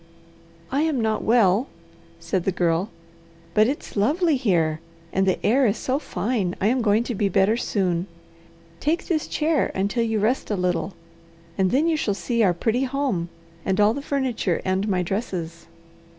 "I am not well," said the Girl, "but it's lovely here, and the air is so fine I am going to be better soon. Take this chair until you rest a little, and then you shall see our pretty home, and all the furniture and my dresses."